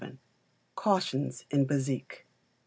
Cautions in Bezique.